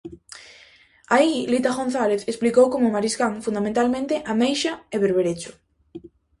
Aí Lita González explicou como mariscan, fundamentalmente ameixa e berberecho.